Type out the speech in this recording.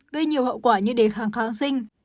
gây nhiều hậu quả như đề kháng kháng sinh